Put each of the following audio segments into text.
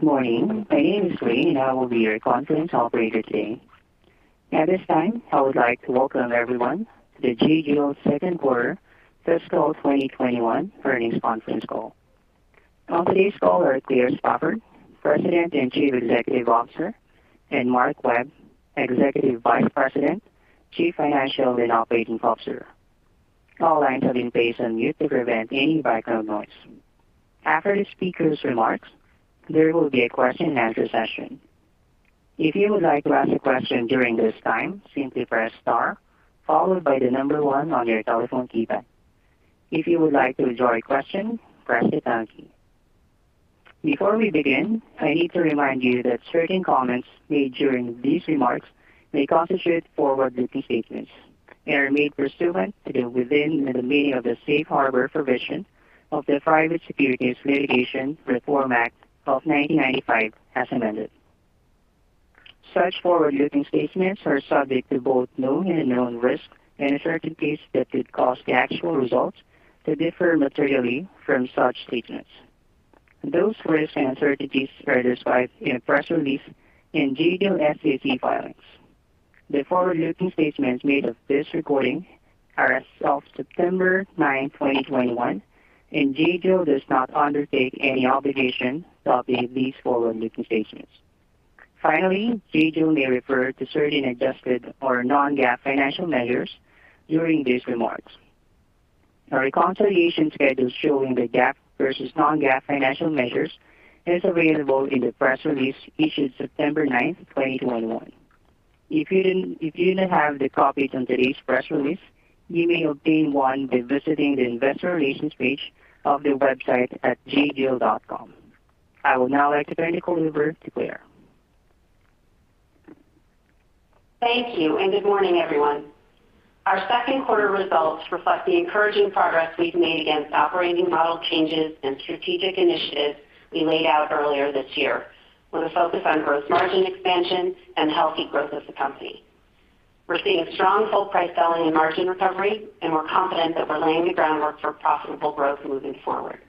Good morning. My name is Lynn, and I will be your conference operator today. At this time, I would like to welcome everyone to the J.Jill second quarter fiscal 2021 earnings conference call. On today's call are Claire Spofford, President and Chief Executive Officer, and Mark Webb, Executive Vice President, Chief Financial and Operating Officer. All lines have been placed on mute to prevent any background noise. After the speakers' remarks, there will be a question and answer session. If you would like to ask a question during this time, simply press star followed by the number one on your telephone keypad. If you would like to withdraw your question, press the pound key. Before we begin, I need to remind you that certain comments made during these remarks may constitute forward-looking statements and are made pursuant to and within the meaning of the safe harbor provision of the Private Securities Litigation Reform Act of 1995 as amended. Such forward-looking statements are subject to both known and unknown risks and uncertainties that could cause the actual results to differ materially from such statements. Those risks and uncertainties are described in a press release in J.Jill SEC filings. The forward-looking statements made of this recording are as of September 9th, 2021, and J.Jill does not undertake any obligation to update these forward-looking statements. Finally, J.Jill may refer to certain adjusted or non-GAAP financial measures during these remarks. A reconciliation schedule showing the GAAP versus non-GAAP financial measures is available in the press release issued September 9th, 2021. If you do not have the copies of today's press release, you may obtain one by visiting the investor relations page of the website at jjill.com. I would now like to turn the call over to Claire. Thank you. Good morning, everyone. Our second quarter results reflect the encouraging progress we've made against operating model changes and strategic initiatives we laid out earlier this year, with a focus on gross margin expansion and healthy growth of the company. We're seeing strong full price selling and margin recovery. We're confident that we're laying the groundwork for profitable growth moving forward.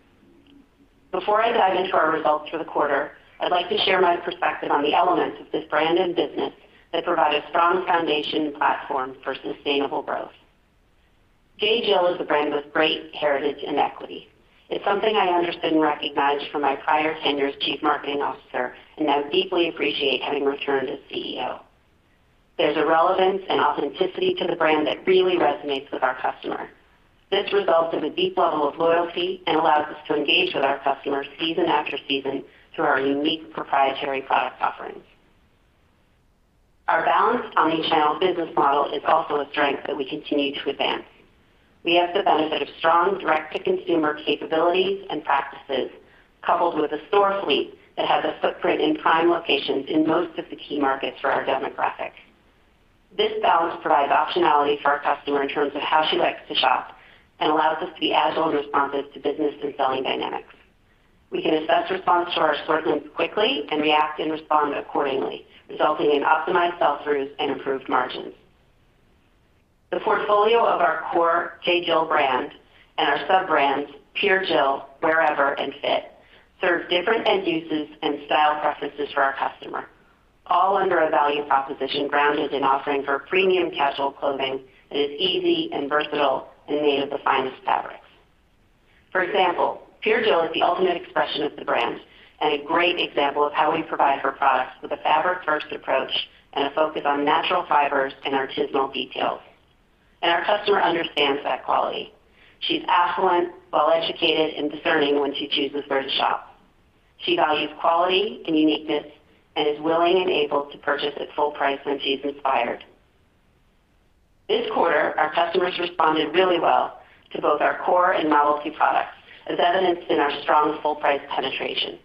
Before I dive into our results for the quarter, I'd like to share my perspective on the elements of this brand and business that provide a strong foundation and platform for sustainable growth. J.Jill is a brand with great heritage and equity. It's something I understand and recognize from my prior tenure as Chief Marketing Officer. I deeply appreciate having returned as CEO. There's a relevance and authenticity to the brand that really resonates with our customer. This results in a deep level of loyalty and allows us to engage with our customers season after season through our unique proprietary product offerings. Our balanced omnichannel business model is also a strength that we continue to advance. We have the benefit of strong direct-to-consumer capabilities and practices, coupled with a store fleet that has a footprint in prime locations in most of the key markets for our demographic. This balance provides optionality for our customer in terms of how she likes to shop and allows us to be agile and responsive to business and selling dynamics. We can assess response to our assortments quickly and react and respond accordingly, resulting in optimized sell-throughs and improved margins. The portfolio of our core J.Jill brand and our sub-brands, Pure Jill, Wearever, and Fit, serve different end uses and style preferences for our customer, all under a value proposition grounded in offering for premium casual clothing that is easy and versatile and made of the finest fabrics. For example, Pure Jill is the ultimate expression of the brand and a great example of how we provide her products with a fabric-first approach and a focus on natural fibers and artisanal details. Our customer understands that quality. She's affluent, well-educated, and discerning when she chooses where to shop. She values quality and uniqueness and is willing and able to purchase at full price when she's inspired. This quarter, our customers responded really well to both our core and novelty products, as evidenced in our strong full price penetration.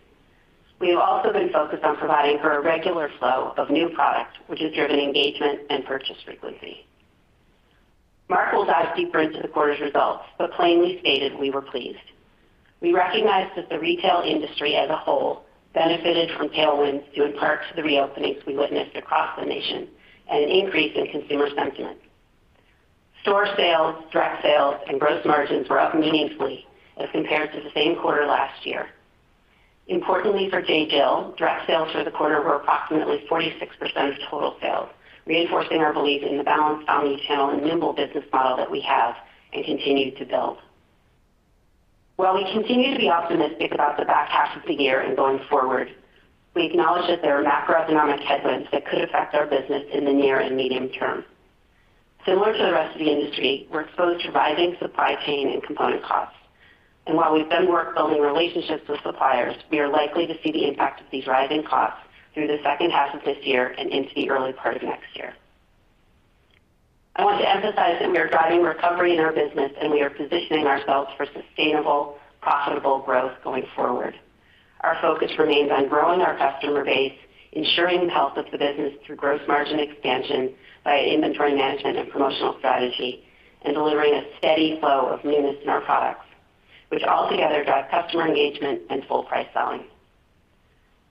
We have also been focused on providing her a regular flow of new product, which has driven engagement and purchase frequency. Mark will dive deeper into the quarter's results, but plainly stated, we were pleased. We recognize that the retail industry as a whole benefited from tailwinds due in part to the reopenings we witnessed across the nation and an increase in consumer sentiment. Store sales, direct sales, and gross margins were up meaningfully as compared to the same quarter last year. Importantly for J.Jill, direct sales for the quarter were approximately 46% of total sales, reinforcing our belief in the balanced omnichannel and nimble business model that we have and continue to build. While we continue to be optimistic about the back half of the year and going forward, we acknowledge that there are macroeconomic headwinds that could affect our business in the near and medium term. Similar to the rest of the industry, we're exposed to rising supply chain and component costs. While we've been building relationships with suppliers, we are likely to see the impact of these rising costs through the second half of this year and into the early part of next year. I want to emphasize that we are driving recovery in our business and we are positioning ourselves for sustainable, profitable growth going forward. Our focus remains on growing our customer base, ensuring the health of the business through gross margin expansion via inventory management and promotional strategy, and delivering a steady flow of newness in our products, which altogether drive customer engagement and full price selling.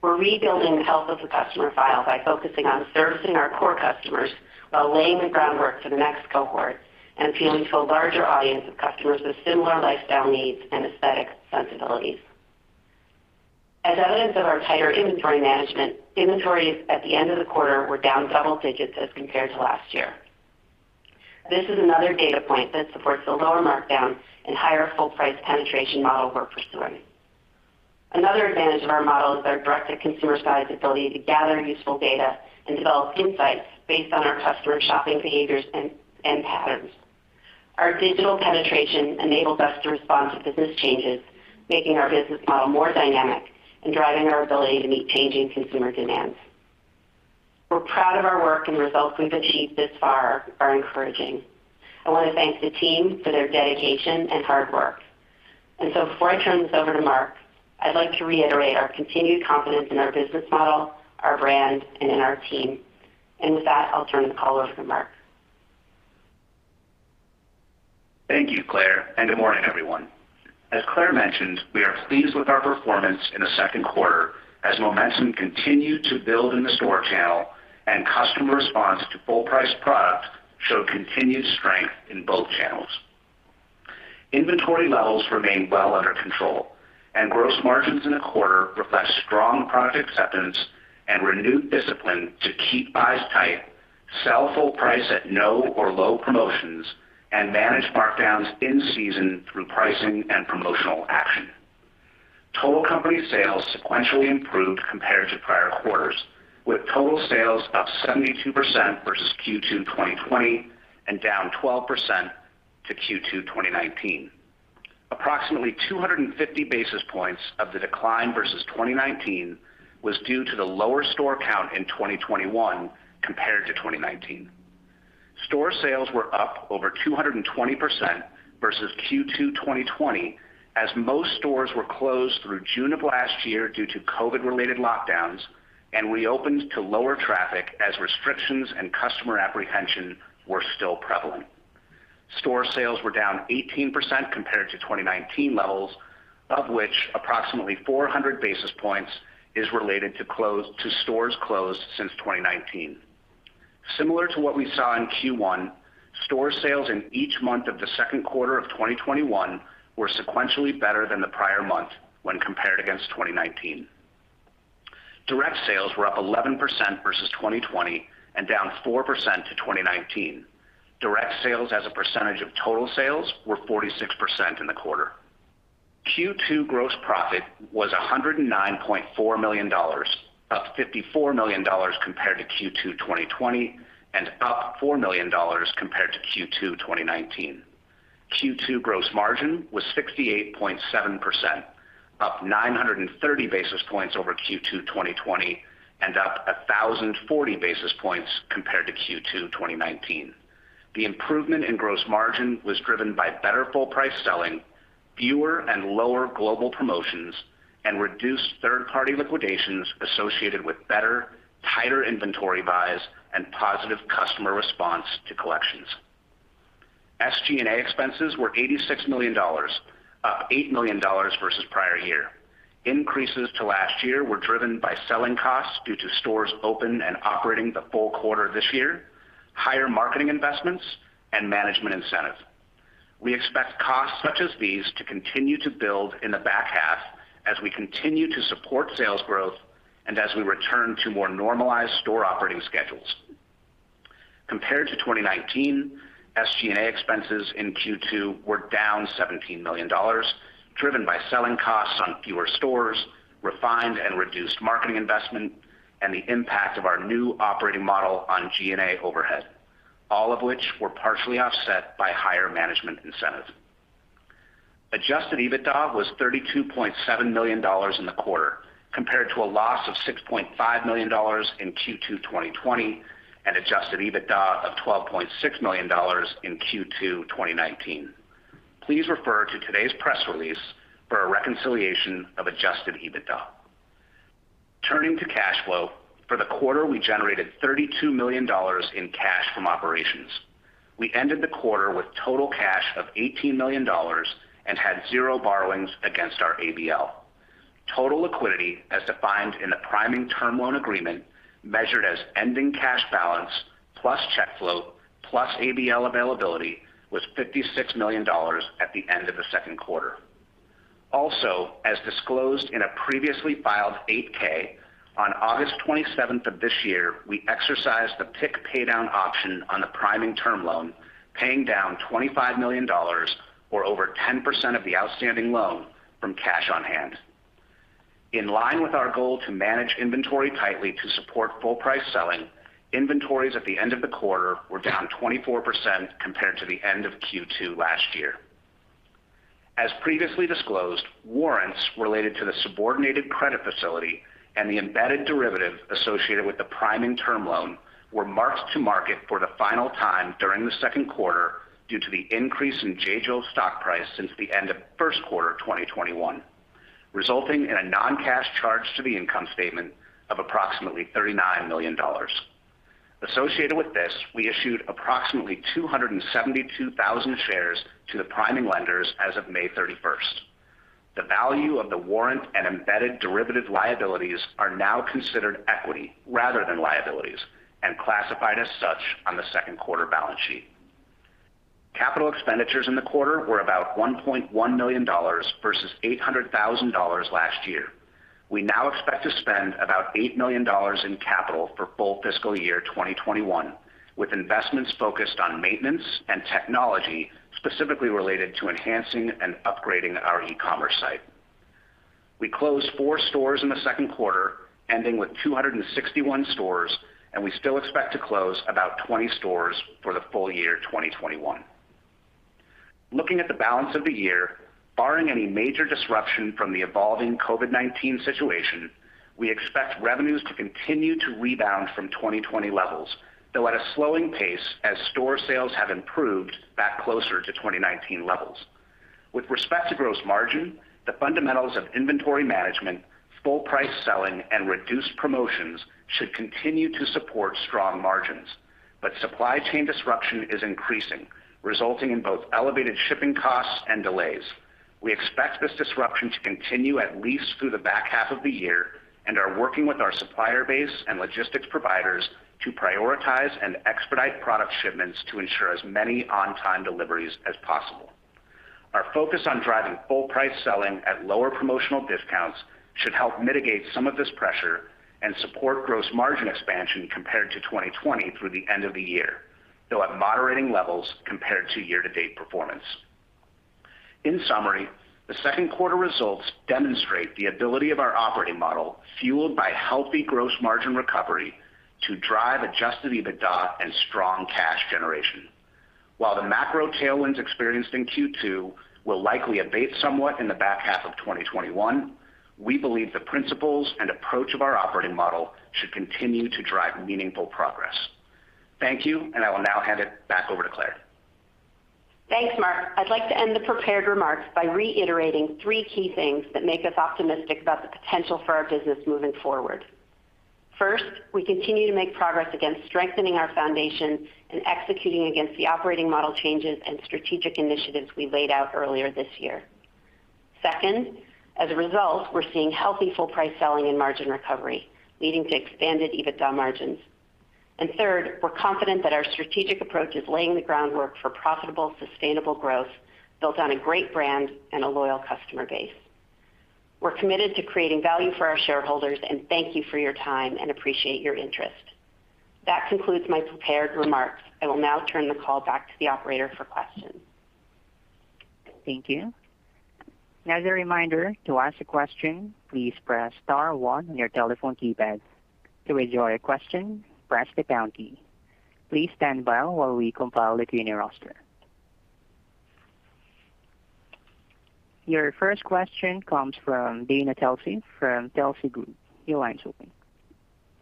We're rebuilding the health of the customer file by focusing on servicing our core customers while laying the groundwork for the next cohort and appealing to a larger audience of customers with similar lifestyle needs and aesthetic sensibilities. As evidence of our tighter inventory management, inventories at the end of the quarter were down double digits as compared to last year. This is another data point that supports the lower markdown and higher full price penetration model we're pursuing. Another advantage of our model is our direct-to-consumer size ability to gather useful data and develop insights based on our customer shopping behaviors and patterns. Our digital penetration enables us to respond to business changes, making our business model more dynamic and driving our ability to meet changing consumer demands. We're proud of our work, and results we've achieved this far are encouraging. I want to thank the team for their dedication and hard work. Before I turn this over to Mark, I'd like to reiterate our continued confidence in our business model, our brand, and in our team. With that, I'll turn the call over to Mark. Thank you, Claire, and good morning, everyone. As Claire mentioned, we are pleased with our performance in the second quarter as momentum continued to build in the store channel and customer response to full price product showed continued strength in both channels. Inventory levels remain well under control, and gross margins in the quarter reflect strong product acceptance and renewed discipline to keep buys tight, sell full price at no or low promotions, and manage markdowns in season through pricing and promotional action. Total company sales sequentially improved compared to prior quarters, with total sales up 72% versus Q2 2020 and down 12% to Q2 2019. Approximately 250 basis points of the decline versus 2019 was due to the lower store count in 2021 compared to 2019. Store sales were up over 220% versus Q2 2020 as most stores were closed through June of last year due to COVID-related lockdowns and reopened to lower traffic as restrictions and customer apprehension were still prevalent. Store sales were down 18% compared to 2019 levels, of which approximately 400 basis points is related to stores closed since 2019. Similar to what we saw in Q1, store sales in each month of the second quarter of 2021 were sequentially better than the prior month when compared against 2019. Direct sales were up 11% versus 2020 and down 4% to 2019. Direct sales as a percentage of total sales were 46% in the quarter. Q2 gross profit was $109.4 million, up $54 million compared to Q2 2020 and up $4 million compared to Q2 2019. Q2 gross margin was 68.7%, up 930 basis points over Q2 2020 and up 1,040 basis points compared to Q2 2019. The improvement in gross margin was driven by better full price selling, fewer and lower global promotions, and reduced third-party liquidations associated with better, tighter inventory buys and positive customer response to collections. SG&A expenses were $86 million, up $8 million versus prior year. Increases to last year were driven by selling costs due to stores open and operating the full quarter this year, higher marketing investments, and management incentives. We expect costs such as these to continue to build in the back half as we continue to support sales growth and as we return to more normalized store operating schedules. Compared to 2019, SG&A expenses in Q2 were down $17 million, driven by selling costs on fewer stores, refined and reduced marketing investment, and the impact of our new operating model on G&A overhead, all of which were partially offset by higher management incentives. Adjusted EBITDA was $32.7 million in the quarter compared to a loss of $6.5 million in Q2 2020 and adjusted EBITDA of $12.6 million in Q2 2019. Please refer to today's press release for a reconciliation of adjusted EBITDA. Turning to cash flow, for the quarter, we generated $32 million in cash from operations. We ended the quarter with total cash of $18 million and had zero borrowings against our ABL. Total liquidity, as defined in the priming term loan agreement, measured as ending cash balance plus check float plus ABL availability, was $56 million at the end of the second quarter. As disclosed in a previously filed 8-K, on August 27th of this year, we exercised the PIK paydown option on the priming term loan, paying down $25 million or over 10% of the outstanding loan from cash on hand. In line with our goal to manage inventory tightly to support full price selling, inventories at the end of the quarter were down 24% compared to the end of Q2 last year. As previously disclosed, warrants related to the subordinated credit facility and the embedded derivative associated with the priming term loan were marked to market for the final time during the second quarter due to the increase in J.Jill's stock price since the end of first quarter 2021, resulting in a non-cash charge to the income statement of approximately $39 million. Associated with this, we issued approximately 272,000 shares to the priming lenders as of May 31st. The value of the warrant and embedded derivative liabilities are now considered equity rather than liabilities and classified as such on the second quarter balance sheet. Capital expenditures in the quarter were about $1.1 million versus $800,000 last year. We now expect to spend about $8 million in capital for full fiscal year 2021, with investments focused on maintenance and technology, specifically related to enhancing and upgrading our e-commerce site. We closed four stores in the second quarter, ending with 261 stores, and we still expect to close about 20 stores for the full year 2021. Looking at the balance of the year, barring any major disruption from the evolving COVID-19 situation, we expect revenues to continue to rebound from 2020 levels, though at a slowing pace as store sales have improved back closer to 2019 levels. With respect to gross margin, the fundamentals of inventory management, full price selling, and reduced promotions should continue to support strong margins. Supply chain disruption is increasing, resulting in both elevated shipping costs and delays. We expect this disruption to continue at least through the back half of the year, and are working with our supplier base and logistics providers to prioritize and expedite product shipments to ensure as many on-time deliveries as possible. Our focus on driving full price selling at lower promotional discounts should help mitigate some of this pressure and support gross margin expansion compared to 2020 through the end of the year, though at moderating levels compared to year-to-date performance. In summary, the second quarter results demonstrate the ability of our operating model, fueled by healthy gross margin recovery, to drive adjusted EBITDA and strong cash generation. While the macro tailwinds experienced in Q2 will likely abate somewhat in the back half of 2021, we believe the principles and approach of our operating model should continue to drive meaningful progress. Thank you, and I will now hand it back over to Claire. Thanks, Mark. I'd like to end the prepared remarks by reiterating three key things that make us optimistic about the potential for our business moving forward. First, we continue to make progress against strengthening our foundation and executing against the operating model changes and strategic initiatives we laid out earlier this year. Second, as a result, we're seeing healthy full price selling and margin recovery, leading to expanded EBITDA margins. Third, we're confident that our strategic approach is laying the groundwork for profitable, sustainable growth built on a great brand and a loyal customer base. We're committed to creating value for our shareholders and thank you for your time and appreciate your interest. That concludes my prepared remarks. I will now turn the call back to the operator for questions. Thank you. As a reminder, to ask a question, please press star one on your telephone keypad. To withdraw your question, press the pound key. Your first question comes from Dana Telsey from Telsey Group. Your line's open.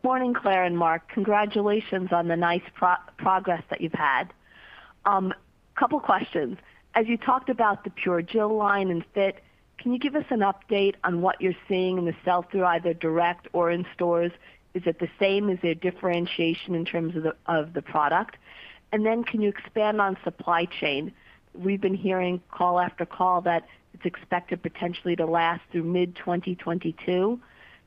Morning, Claire Spofford and Mark Webb. Congratulations on the nice progress that you've had. Couple questions. As you talked about the Pure Jill line and Fit, can you give us an update on what you're seeing in the sell-through, either direct or in stores? Is it the same? Is there differentiation in terms of the product? Can you expand on supply chain? We've been hearing call after call that it's expected potentially to last through mid-2022.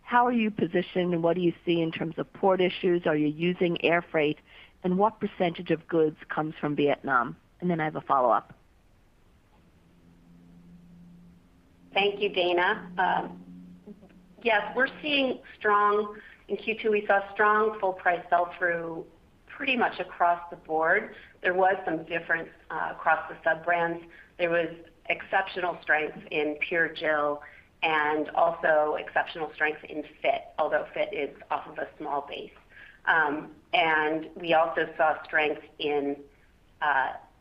How are you positioned, and what do you see in terms of port issues? Are you using air freight? What percentage of goods comes from Vietnam? I have a follow-up. Thank you, Dana. Yes. In Q2, we saw strong full price sell-through pretty much across the board. There was some difference across the sub-brands. There was exceptional strength in Pure Jill and also exceptional strength in Fit, although Fit is off of a small base. We also saw strength in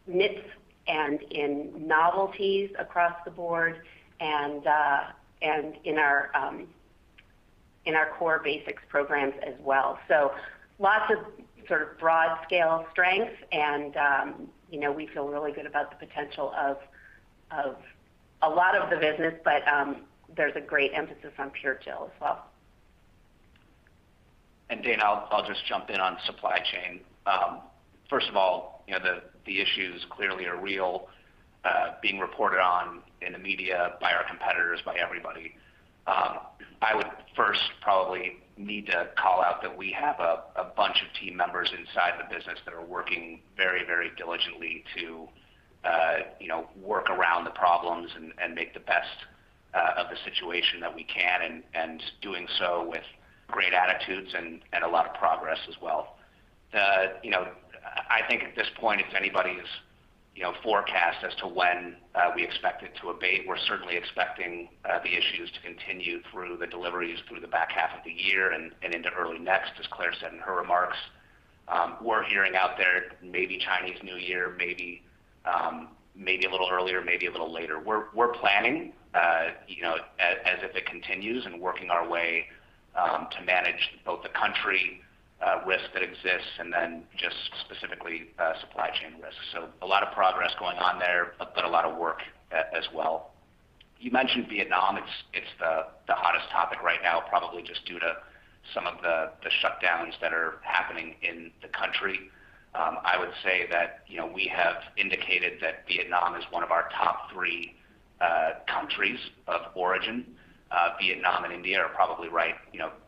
knits and in novelties across the board and in our core basics programs as well. Lots of broad scale strengths and we feel really good about the potential of a lot of the business, but there's a great emphasis on Pure Jill as well. Dana, I'll just jump in on supply chain. First of all, the issues clearly are real, being reported on in the media by our competitors, by everybody. I would first probably need to call out that we have a bunch of team members inside the business that are working very diligently to work around the problems and make the best of the situation that we can, and doing so with great attitudes and a lot of progress as well. I think at this point, if anybody's forecast as to when we expect it to abate, we're certainly expecting the issues to continue through the deliveries through the back half of the year and into early next, as Claire said in her remarks. We're hearing out there maybe Chinese New Year, maybe a little earlier, maybe a little later. We're planning as if it continues and working our way to manage both the country risk that exists and then just specifically supply chain risks. A lot of progress going on there, but a lot of work as well. You mentioned Vietnam. It's the hottest topic right now, probably just due to some of the shutdowns that are happening in the country. I would say that we have indicated that Vietnam is one of our top three countries of origin. Vietnam and India are probably right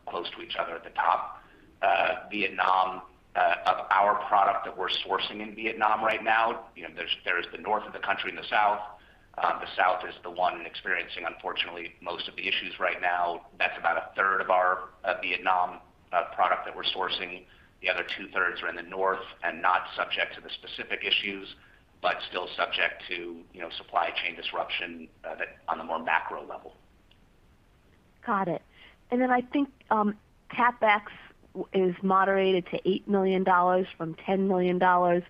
close to each other at the top. We're sourcing in Vietnam right now. There's the north of the country and the south. The south is the one experiencing, unfortunately, most of the issues right now. That's about a third of our Vietnam product that we're sourcing. The other two-thirds are in the north and not subject to the specific issues, but still subject to supply chain disruption on the more macro level. Got it. I think CapEx is moderated to $8 million from $10 million.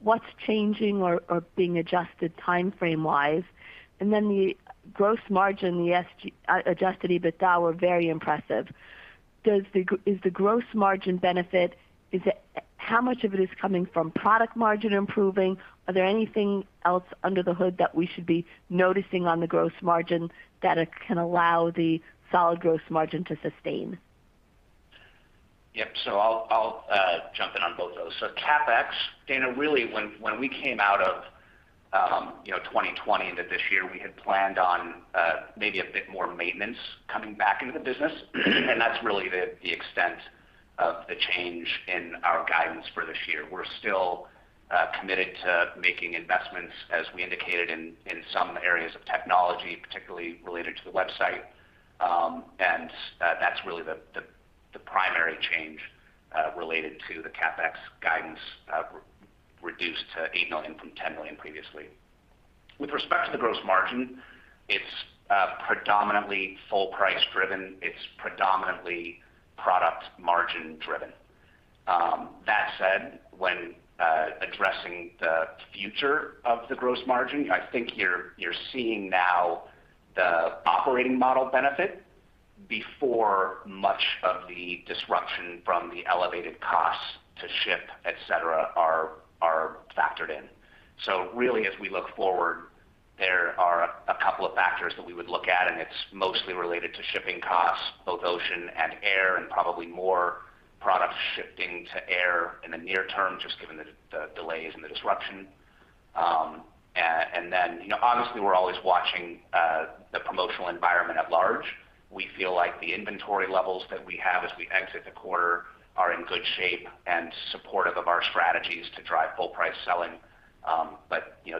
What's changing or being adjusted timeframe-wise? The gross margin, the adjusted EBITDA, were very impressive. Is the gross margin benefit, how much of it is coming from product margin improving? Are there anything else under the hood that we should be noticing on the gross margin that can allow the solid gross margin to sustain? Yep. I'll jump in on both those. CapEx, Dana, really, when we came out of 2020 into this year, we had planned on maybe a bit more maintenance coming back into the business, and that's really the extent of the change in our guidance for this year. We're still committed to making investments, as we indicated, in some areas of technology, particularly related to the website. That's really the primary change related to the CapEx guidance reduced to $8 million from $10 million previously. With respect to the gross margin, it's predominantly full price driven, it's predominantly product margin driven. That said, when addressing the future of the gross margin, I think you're seeing now the operating model benefit before much of the disruption from the elevated costs to ship, et cetera, are factored in. Really, as we look forward, there are a couple of factors that we would look at, and it's mostly related to shipping costs, both ocean and air, and probably more product shifting to air in the near term, just given the delays and the disruption. Then, honestly, we're always watching the promotional environment at large. We feel like the inventory levels that we have as we exit the quarter are in good shape and supportive of our strategies to drive full price selling.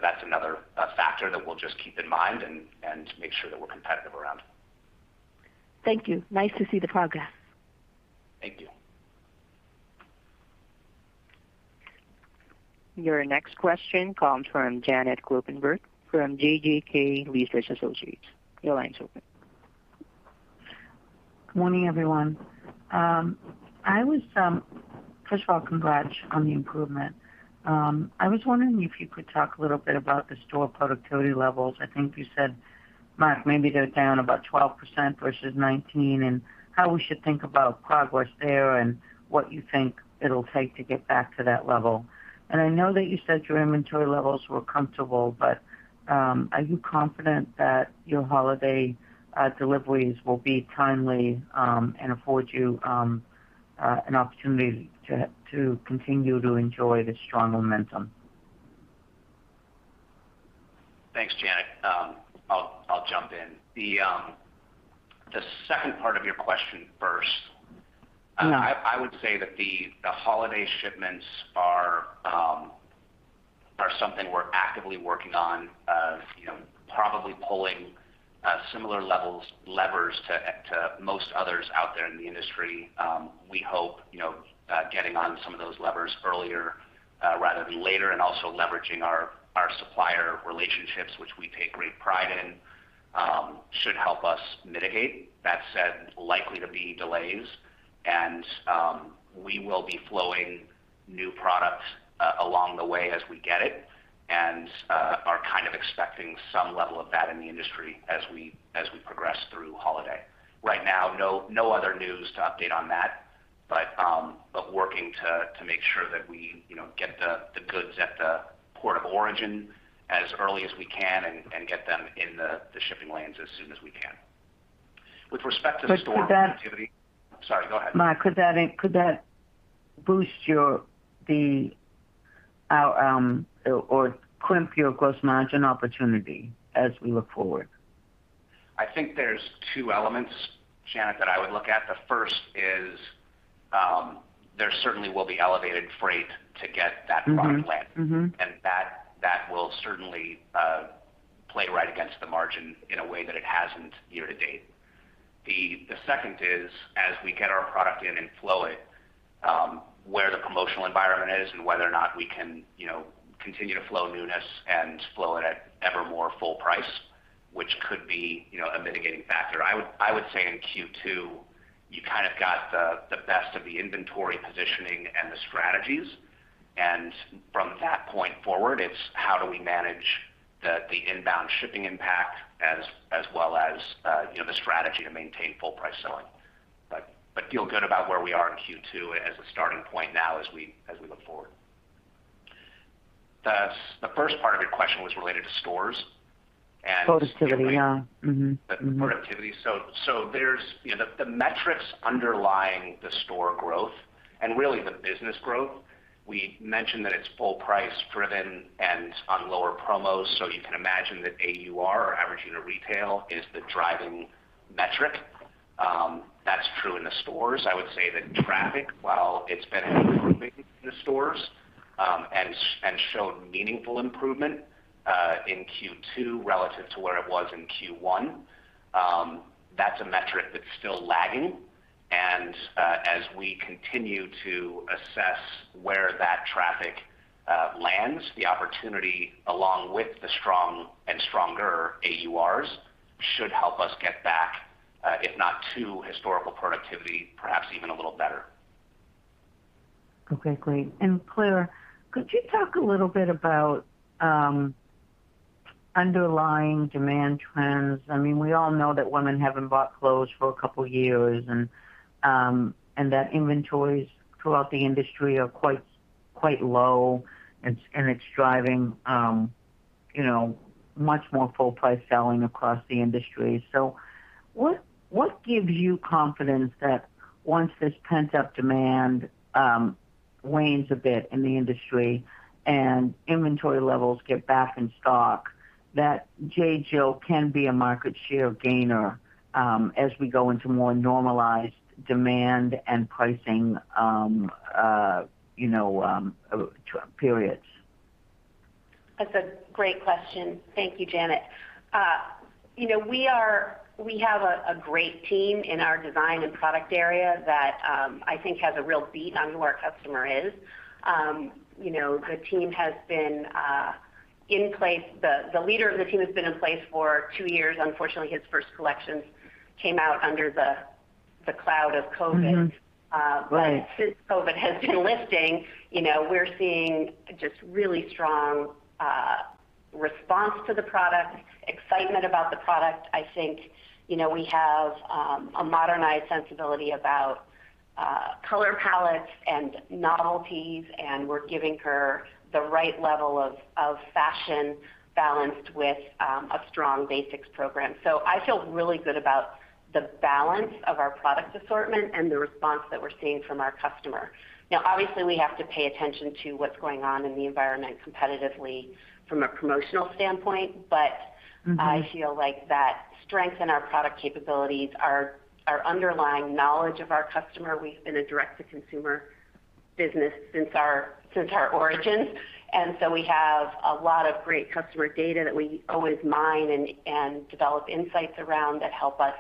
That's another factor that we'll just keep in mind and make sure that we're competitive around. Thank you. Nice to see the progress. Thank you. Your next question comes from Janet Kloppenburg from JJK Research Associates. Your line's open. Good morning, everyone. First of all, congrats on the improvement. I was wondering if you could talk a little bit about the store productivity levels. I think you said, Mark, maybe they're down about 12% versus 2019, and how we should think about progress there and what you think it'll take to get back to that level. I know that you said your inventory levels were comfortable, but are you confident that your holiday deliveries will be timely and afford you an opportunity to continue to enjoy the strong momentum? Thanks, Janet. I'll jump in. The second part of your question first. I would say that the holiday shipments are something we're actively working on. Probably pulling similar levers to most others out there in the industry. We hope getting on some of those levers earlier rather than later, and also leveraging our supplier relationships, which we take great pride in, should help us mitigate. That said, likely to be delays, and we will be flowing new product along the way as we get it and are kind of expecting some level of that in the industry as we progress through holiday. Right now, no other news to update on that. Working to make sure that we get the goods at the port of origin as early as we can and get them in the shipping lanes as soon as we can. With respect to the store productivity- Could that- Sorry, go ahead. Mark, could that boost your or crimp your gross margin opportunity as we look forward? I think there's two elements, Janet, that I would look at. The first is, there certainly will be elevated freight to get that product landed. That will certainly play right against the margin in a way that it hasn't year to date. The second is, as we get our product in and flow it, where the promotional environment is and whether or not we can continue to flow newness and flow it at evermore full price, which could be a mitigating factor. I would say in Q2, you kind of got the best of the inventory positioning and the strategies, and from that point forward, it's how do we manage the inbound shipping impact as well as the strategy to maintain full price selling. Feel good about where we are in Q2 as a starting point now as we look forward. The first part of your question was related to stores and- Productivity. Yeah. Productivity. The metrics underlying the store growth and really the business growth, we mentioned that it's full price driven and on lower promos, you can imagine that AUR or average unit retail is the driving metric. That's true in the stores. I would say that traffic, while it's been improving in the stores, and showed meaningful improvement in Q2 relative to where it was in Q1, that's a metric that's still lagging. As we continue to assess where that traffic lands, the opportunity along with the strong and stronger AURs should help us get back, if not to historical productivity, perhaps even a little better. Okay, great. Claire, could you talk a little bit about underlying demand trends? We all know that women haven't bought clothes for a couple of years, and that inventories throughout the industry are quite low, and it's driving much more full price selling across the industry. What gives you confidence that once this pent-up demand wanes a bit in the industry and inventory levels get back in stock, that J.Jill can be a market share gainer as we go into more normalized demand and pricing periods? That's a great question. Thank you, Janet. We have a great team in our design and product area that I think has a real beat on who our customer is. The leader of the team has been in place for two years. Unfortunately, his first collections came out under the cloud of COVID. Right. Since COVID has been lifting, we're seeing just really strong response to the product, excitement about the product. I think we have a modernized sensibility about color palettes and novelties, and we're giving her the right level of fashion balanced with a strong basics program. I feel really good about the balance of our product assortment and the response that we're seeing from our customer. Obviously, we have to pay attention to what's going on in the environment competitively from a promotional standpoint, but I feel like that strength in our product capabilities, our underlying knowledge of our customer, we've been a direct-to-consumer business since our origins, and so we have a lot of great customer data that we always mine and develop insights around that help us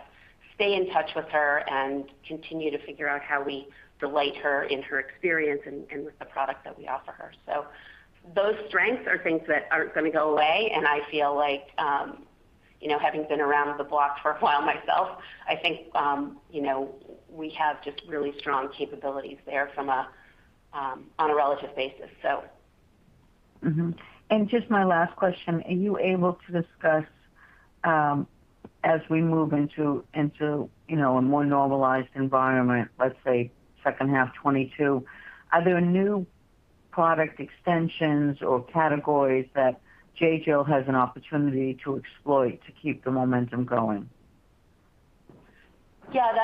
stay in touch with her and continue to figure out how we delight her in her experience and with the product that we offer her. Those strengths are things that aren't going to go away, and I feel like, having been around the block for a while myself, I think we have just really strong capabilities there on a relative basis. Just my last question, are you able to discuss, as we move into a more normalized environment, let's say second half 2022, are there new product extensions or categories that J.Jill has an opportunity to exploit to keep the momentum going? Yeah.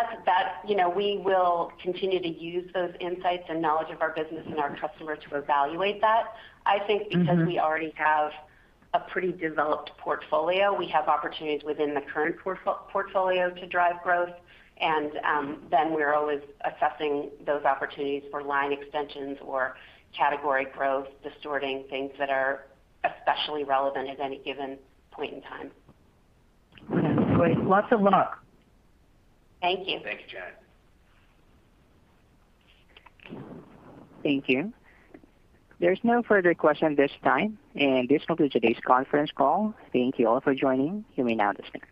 We will continue to use those insights and knowledge of our business and our customer to evaluate that. I think because we already have a pretty developed portfolio, we have opportunities within the current portfolio to drive growth. We're always assessing those opportunities for line extensions or category growth, distorting things that are especially relevant at any given point in time. Okay, great. Lots of luck. Thank you. Thank you, Janet. Thank you. There's no further question this time. This will be today's conference call. Thank you all for joining. You may now disconnect.